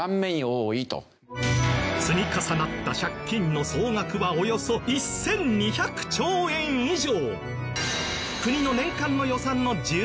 積み重なった借金の総額はおよそ１２００兆円以上！